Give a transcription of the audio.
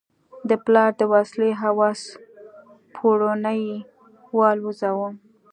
د پلار د وسلې هوس پوړونی والوزاوه.